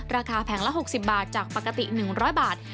แผงละ๖๐บาทจากปกติ๑๐๐บาท